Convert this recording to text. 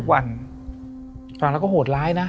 วันฟังแล้วก็โหดร้ายนะ